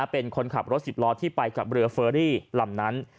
เป็นคนขับรถสิบล้อที่ไปกับเรือเฟอรี่ลำนั้น